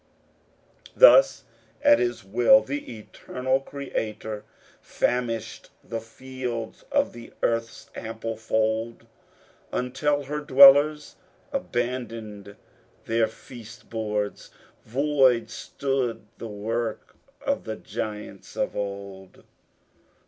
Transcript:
Thus at his will the eternal Creator Famished the fields of the earth's ample fold Until her dwellers abandoned their feast boards. Void stood the work of the giants of old.